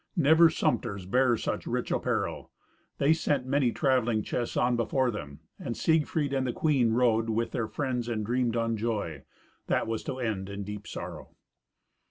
Never sumpters bare such rich apparel. They sent many travelling chests on before them, and Siegfried and the queen rode with their friends and dreamed on joy—that was to end in deep sorrow.